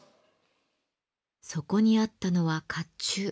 そこにあったのは甲冑。